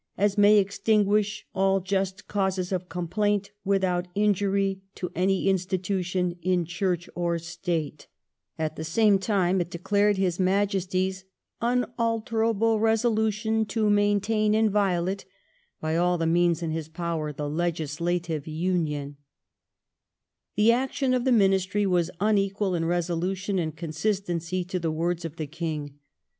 as may extinguish all just causes of complaint without injury ... to any institution in Church or State". At ^ Lord Wellesley's son in law. question 114 IRISH AFFAIRS [1833 the same time it declared His Majesty's " unalterable resolution ... to maintain inviolate " by all the means in his power the legislative Union. The action of the Ministry was unequal in resolution and con sistency to the words of the King.